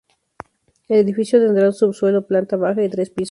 El edificio tendrá un subsuelo, planta baja y tres pisos.